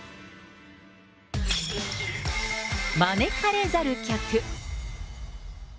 招かれざる客。